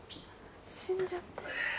死んじゃってる。